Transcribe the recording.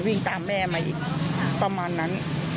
วิ่งตามแม่มาอีกประมาณนั้น